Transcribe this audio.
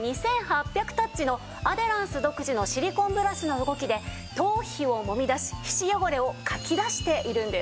タッチのアデランス独自のシリコンブラシの動きで頭皮をもみ出し皮脂汚れをかき出しているんです。